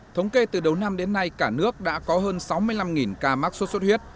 thống kê từ đầu năm đến nay cả nước đã có hơn sáu mươi năm ca mắc sốt xuất huyết